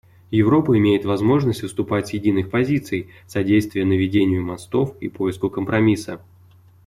Европа имеет возможность выступать с единых позиций, содействуя наведению мостов и поиску компромисса.